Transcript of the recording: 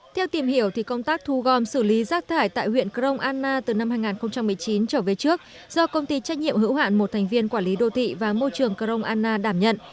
theo tìm hiểu thì công tác thu gom xử lý rác thải tại huyện crong anna từ năm hai nghìn một mươi chín trở về trước do công ty trách nhiệm hữu hạn một thành viên quản lý đô thị và môi trường crong anna đảm nhận